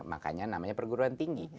makanya namanya perguruan tinggi